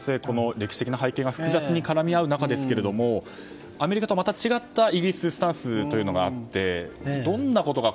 歴史的な背景が複雑に絡み合う中ですがアメリカとまた違ったイギリスのスタンスというのがあってどんなことが。